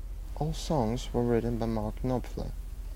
All songs were written by Mark Knopfler.